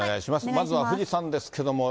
まずは富士山ですけども。